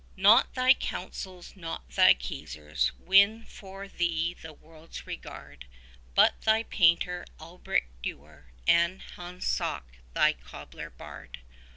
Not thy Councils, not thy Kaisers, win for thee the world's regard; But thy painter, Albrecht Dürer, and Hans Sachs thy cobbler bard.